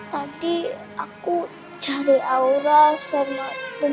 tadi aku cari aura sama